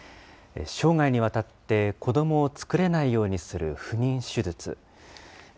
生涯にわたって子どもを作れないようにする不妊手術。